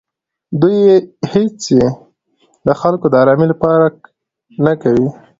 دوی هېڅې د خلکو د ارامۍ لپاره نه کوي.